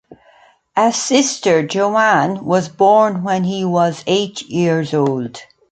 A sister, Joanne, was born when he was eight years old.